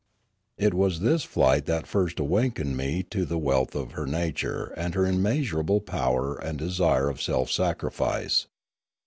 It was this flight that first awakened me to the wealth of her nature and her immeasurable power and desire of self sacrifice.